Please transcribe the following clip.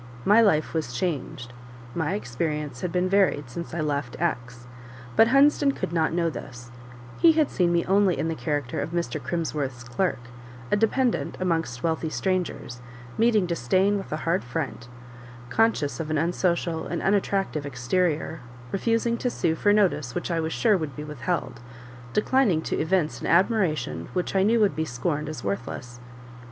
My life was changed; my experience had been varied since I left X , but Hunsden could not know this; he had seen me only in the character of Mr. Crimsworth's clerk a dependant amongst wealthy strangers, meeting disdain with a hard front, conscious of an unsocial and unattractive exterior, refusing to sue for notice which I was sure would be withheld, declining to evince an admiration which I knew would be scorned as worthless.